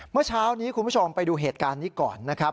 เมื่อเช้านี้คุณผู้ชมไปดูเหตุการณ์นี้ก่อนนะครับ